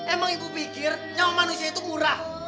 emang ibu pikir nyawa manusia itu murah